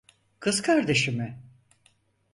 Kız kardeşi mi?